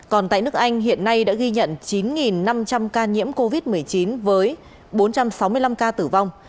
còn tại nước anh hiện nay đã ghi nhận chín năm trăm linh ca nhiễm covid một mươi chín với bốn trăm sáu mươi năm ca tử vong